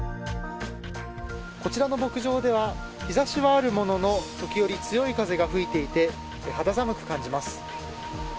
こちらの牧場では日差しはあるものの時折、強い風が吹いていて肌寒く感じます。